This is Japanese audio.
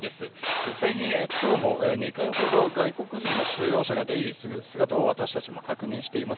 実際に今日も２回ほど、外国人の収容者が出入りする姿を私たちも確認しています。